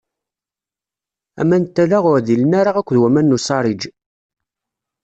Aman n tala ur ɛdilen ara akked waman n usariǧ.